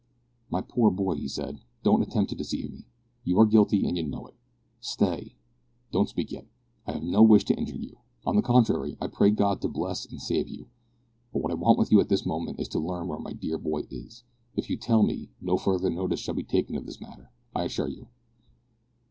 "My poor boy," he said, "don't attempt to deceive me. You are guilty, and you know it. Stay, don't speak yet. I have no wish to injure you. On the contrary, I pray God to bless and save you; but what I want with you at this moment is to learn where my dear boy is. If you tell me, no further notice shall be taken of this matter, I assure you."